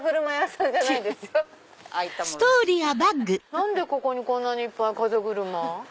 何でここにこんなにいっぱい風車？